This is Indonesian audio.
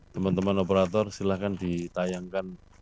teman teman operator silahkan ditayangkan